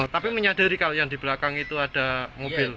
tapi menyadari kalian di belakang itu ada mobil